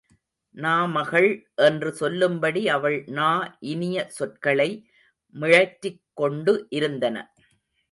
நாமகள் என்று சொல்லும்படி அவள் நா இனிய சொற்களை மிழற்றிக் கொண்டு இருந்தன.